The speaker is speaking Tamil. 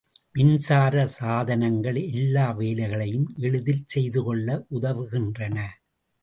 மின்சார சாதனங்கள் எல்லா வேலைகளையும் எளிதில் செய்துகொள்ள உதவுகின்றன.